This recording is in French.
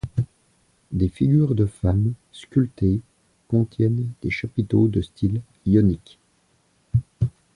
Des figures de femmes sculpées soutiennent des chapiteaux de style ionique.